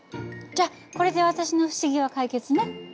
じゃこれで私の不思議は解決ね。